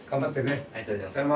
ありがとうございます。